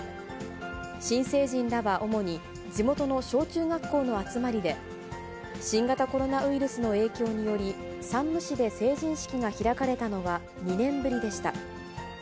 新成人らは主に地元の小中学校の集まりで、新型コロナウイルスの影響により、山武市で成人式が開かれたのは２年ぶりでした。